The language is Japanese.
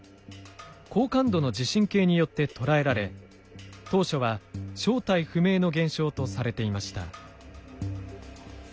高感度の地震計によって捉えられ当初は正体不明の現象とされていました。